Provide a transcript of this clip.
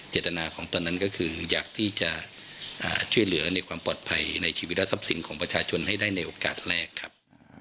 เจตนาของตอนนั้นก็คืออยากที่จะช่วยเหลือในความปลอดภัยในชีวิตและทรัพย์สินของประชาชนให้ได้ในโอกาสแรกครับ